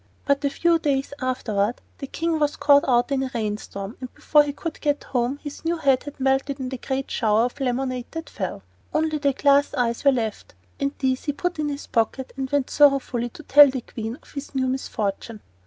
But, a few days afterward, the King was caught out in a rainstorm, and before he could get home his new head had melted in the great shower of lemonade that fell. Only the glass eyes were left, and these he put in his pocket and went sorrowfully to tell the Queen of his new misfortune.